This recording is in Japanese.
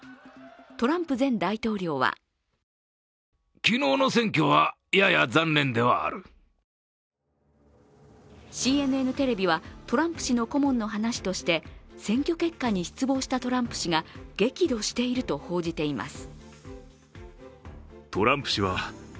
トランプ前大統領はＣＮＮテレビは、トランプ氏の顧問の話として選挙結果に失望したトランプ氏が激怒していると報じています。